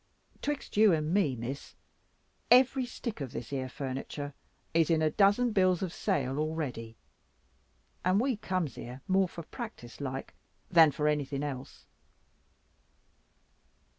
'Twixt you and me, Miss, every stick of this here furniture is in a dozen bills of sale already; and we comes here more for practice like, than for anything else."